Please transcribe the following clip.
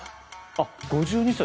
あっ５２歳。